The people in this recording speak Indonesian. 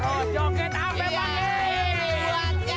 goyang bersama moella